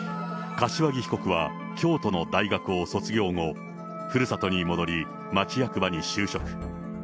柏木被告は京都の大学を卒業後、ふるさとに戻り、町役場に就職。